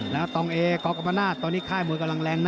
แล้วตองเอกกรรมนาศตอนนี้ค่ายมวยกำลังแรง